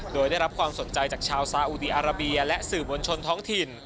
โดยได้รับความสนใจจากชาวซาอุดีอาราเบียและสื่อมวลชนท้องถิ่น